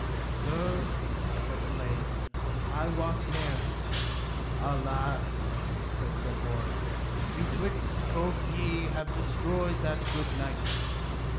Sir, said Elaine, I wot ne'er. Alas, said Sir Bors, betwixt you both ye have destroyed that good knight.